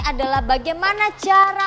adalah bagaimana cara